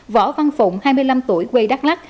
võ văn phụng hai mươi năm tuổi quê đắk lắc